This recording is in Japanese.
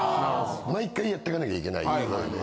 毎回やっていかなきゃいけない。